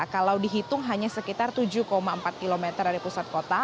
kalau dihitung hanya sekitar tujuh empat km dari pusat kota